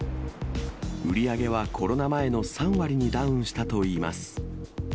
売り上げはコロナ前の３割にダウンしたといいます。